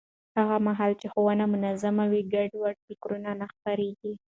هغه مهال چې ښوونه منظم وي، ګډوډ فکر نه خپرېږي.